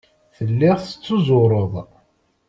Telliḍ tettuzureḍ.